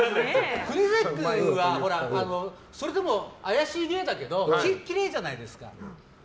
国崎君はそれでも怪しい芸だけどきれいじゃないですか。